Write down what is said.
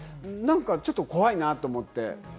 ちょっと怖いなと思って。